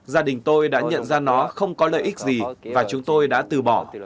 gia đình tôi đã nhận ra nó không có lợi ích gì và chúng tôi đã từ bỏ